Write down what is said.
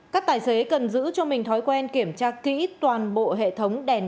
các tài xế cần giữ cho mình thói quen kiểm tra kỹ toàn bộ hệ thống đèn